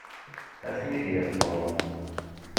Ad ten-id-yaf Tom.